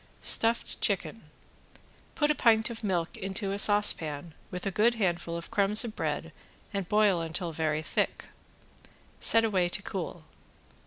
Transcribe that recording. ~STUFFED CHICKEN~ Put a pint of milk into a saucepan with a good handful of crumbs of bread and boil until very thick. Set away to cool.